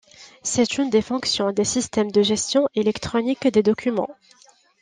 C'est une des fonctions des systèmes de gestion électronique des documents.